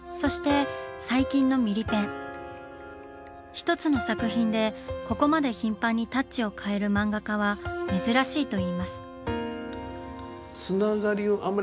一つの作品でここまで頻繁にタッチを変える漫画家は珍しいといいます。